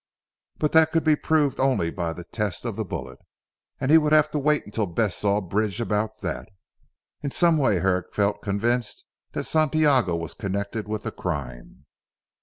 But that could be proved only by the test of the bullet, and he would have to wait until Bess saw Bridge about that. In some way Herrick felt convinced that Santiago was connected with the crime.